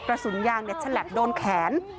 กระสุนยางเน็ตชะแหลกโดนแขน